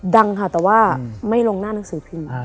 ดังค่ะแต่ว่าไม่ลงหน้าหนังสือพิมพ์